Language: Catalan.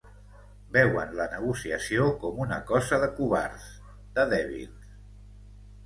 Veuen la negociació com una cosa de covards, de dèbils.